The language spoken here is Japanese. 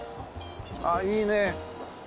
ああいいね。